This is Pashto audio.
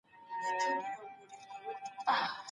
بیا به له دغه ښاره د جهل رېښې و باسو